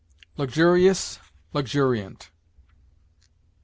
LUXURIOUS LUXURIANT.